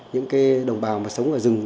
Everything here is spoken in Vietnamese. những đồng bào mà sống ở rừng